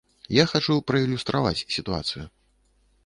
Я хачу праілюстраваць сітуацыю.